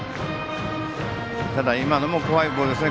ただ、今のも怖いボールですね。